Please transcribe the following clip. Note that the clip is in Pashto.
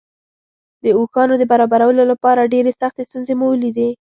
د اوښانو د برابرولو لپاره ډېرې سختې ستونزې مو ولیدې.